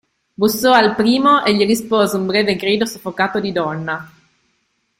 Bussò al primo e gli rispose un breve grido soffocato di donna.